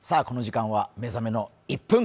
この時間は目覚めの「１分！